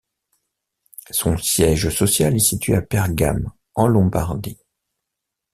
Son siège social est situé à Bergame, en Lombardie.